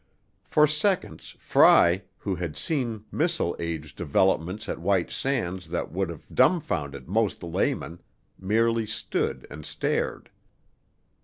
For seconds, Fry, who had seen missile age developments at White Sands that would have dumfounded most laymen, merely stood and stared.